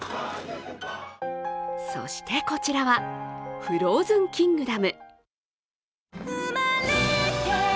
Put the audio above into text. そしてこちらは、フローズンキングダム。